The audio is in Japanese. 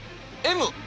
Ｍ。